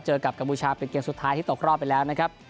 กับกัมพูชาเป็นเกมสุดท้ายที่ตกรอบไปแล้วนะครับ